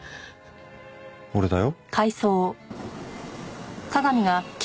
俺だよ。